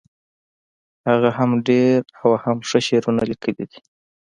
هغه هم ډیر او هم ښه شعرونه لیکلي دي